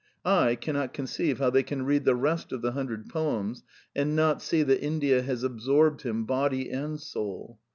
I cannot conceive how they can read the rest of the Hundred Poems and not see that India has absorbed him body and soul.